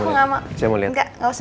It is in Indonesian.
engga aku engga mau engga engga usah